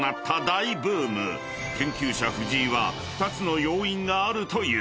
［研究者藤井は２つの要因があるという］